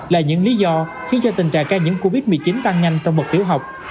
là những lý do khiến cho tình trạng ca nhiễm covid một mươi chín tăng nhanh trong bậc tiểu học